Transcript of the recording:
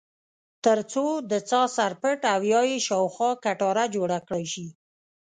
ترڅو د څاه سر پټ او یا یې خواوشا کټاره جوړه کړای شي.